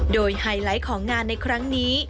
โดยไฮไลท์ของงานในครั้งนี้